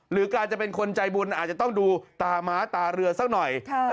หรือการจะเป็นคนใจบุญอาจจะต้องดูตาม้าตาเรือสักหน่อย